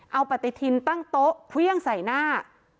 เอาปฏิทินตั้งโต๊ะเครื่องใส่หน้า